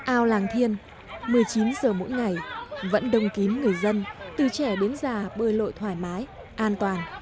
ao làng thiên một mươi chín giờ mỗi ngày vẫn đông kín người dân từ trẻ đến già bơi lội thoải mái an toàn